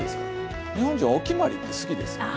日本人は「お決まり」って好きですよね。